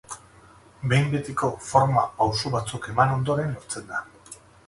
Behin betiko forma pauso batzuk eman ondoren lortzen da.